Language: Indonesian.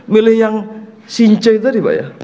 milih yang cinca itu tadi pak ya